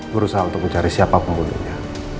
berusaha untuk mencari siapa pembunuhnya